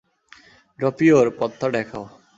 ড্রপিয়র, পথটা দেখাও!